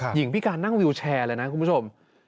หญิงพิการนั่งวิวแชร์เลยนะคุณผู้ชม